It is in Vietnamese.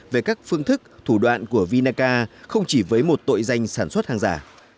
về các phương thức thủ đoạn của vinaca không chỉ với một tội danh sản xuất hàng giả